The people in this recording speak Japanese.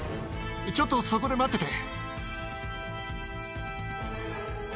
ちょっと、そこで待ってて。